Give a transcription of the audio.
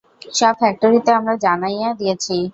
সব ফ্যাক্টরিতে আমরা জানিয়ে দিয়েছি।